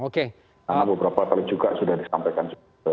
karena beberapa kali juga sudah disampaikan